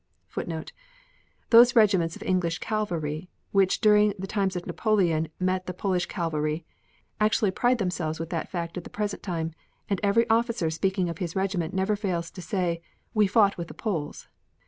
"*[* Those regiments of English cavalry which during the times of Napoleon met the Polish cavalry actually pride themselves with that fact at the present time, and every officer speaking of his regiment never fails to say, "We fought with the Poles."